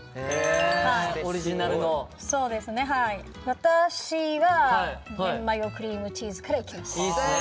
私はめんマヨクリームチーズからいきます。